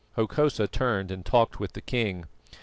Hokosa turned and talked with the king.